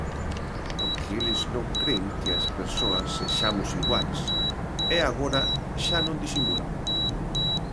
Porque eles non cren que as persoas sexamos iguais E agora xa non disimulan.